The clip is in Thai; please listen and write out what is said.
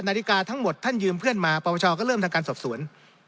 นาฬิกาทั้งหมดท่านยืมเพื่อนมาปรปชก็เริ่มทำการสอบสวน